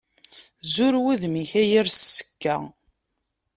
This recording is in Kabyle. Zur wudem-ik a yir sseka.